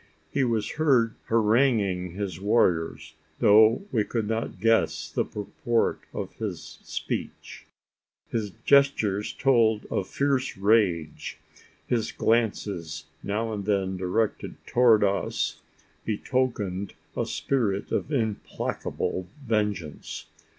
He was heard haranguing his warriors, though we could not guess the purport of his speech. His gestures told of fierce rage his glances, now and then directed towards us, betokened a spirit of implacable vengeance.